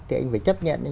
thì anh phải chấp nhận